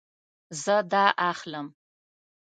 زه دا اخلم